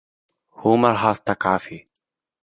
ʿUmar al-Thaqafī.